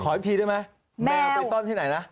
อีกทีได้ไหมแมวไปซ่อนที่ไหนนะ